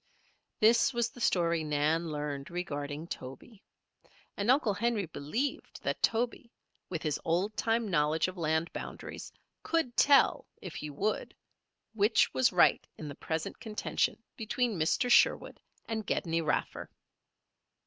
This was the story Nan learned regarding Toby. And Uncle Henry believed that Toby, with his old time knowledge of land boundaries, could tell, if he would, which was right in the present contention between Mr. Sherwood and Gedney Raffer.